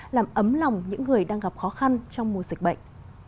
làm ấm lòng những người đang gặp khó khăn trong mùa dịch bệnh